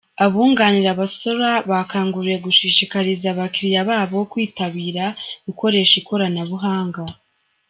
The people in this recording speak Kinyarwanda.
Abunganira abasora bakanguriwe gushishikariza aba clients babo kwitabira gukoresha ikoranabuhanga.